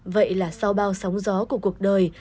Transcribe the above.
vậy là sau bao sóng gió của cuộc đời